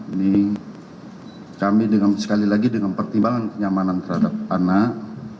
ini kami sekali lagi dengan pertimbangan kenyamanan terhadap anak